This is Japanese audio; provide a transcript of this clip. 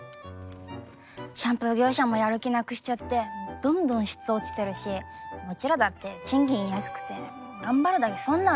シャンプー業者もやる気なくしちゃってどんどん質落ちてるしうちらだって賃金安くて頑張るだけ損なんですよ。